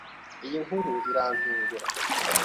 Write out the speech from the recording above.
Iyo nkuru irantungura